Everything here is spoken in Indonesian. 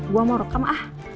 gue mau rekam ah